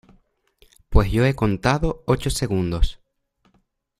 pues yo he contado ocho segundos.